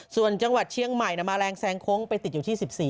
ส่วนจังหวัดเชียงใหม่มาแรงแซงโค้งไปติดอยู่ที่๑๔